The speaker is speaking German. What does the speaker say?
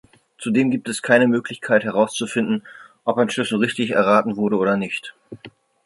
Zudem gibt es keine Möglichkeit, herauszufinden, ob ein Schlüssel richtig erraten wurde oder nicht.